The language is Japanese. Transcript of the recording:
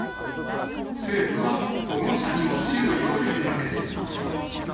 政府は保護者にも注意を呼びかけています。